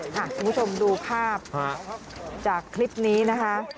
คุณผู้ชมดูภาพจากคลิปนี้นะคะ